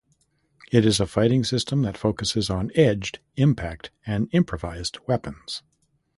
It is a fighting system that focuses on edged, impact and improvised weapons.